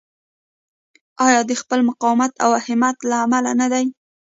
آیا د خپل مقاومت او همت له امله نه دی؟